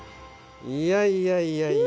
いやいやいやいやいや。